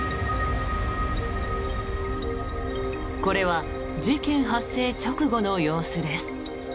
これは事件発生直後の様子です。